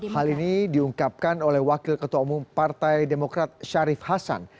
hal ini diungkapkan oleh wakil ketua umum partai demokrat syarif hasan